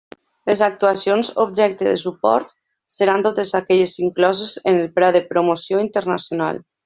Les actuacions objecte de suport seran totes aquelles incloses en el Pla de Promoció Internacional.